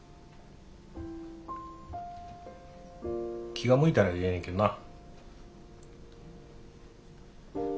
気が向いたらでええねんけどな。